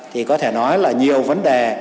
thì có thể nói là nhiều vấn đề